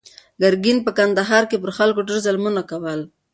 ګرګین په کندهار کې پر خلکو ډېر ظلمونه کول.